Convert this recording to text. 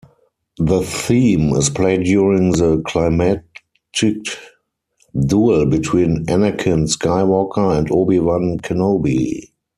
The theme is played during the climactic duel between Anakin Skywalker and Obi-Wan Kenobi.